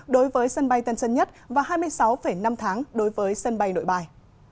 đối với sân bay tân sân nhất và hai mươi sáu năm tháng đối với sân bay nội bài